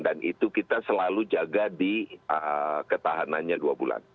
dan itu kita selalu jaga di ketahanannya dua bulan